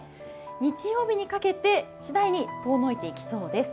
日曜日にかけて次第に遠のいていきそうです。